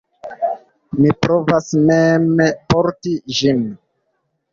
Mi provas mem porti ĝin.